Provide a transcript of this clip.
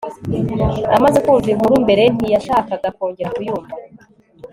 amaze kumva inkuru mbere, ntiyashakaga kongera kuyumva